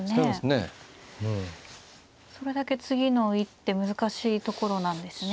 それだけ次の一手難しいところなんですね。